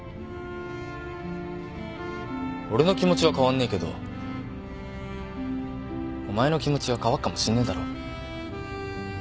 俺の気持ちは変わんねえけどお前の気持ちは変わっかもしんねえだろ。